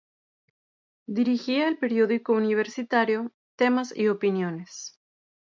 Dirigía el periódico universitario "Temas y Opiniones".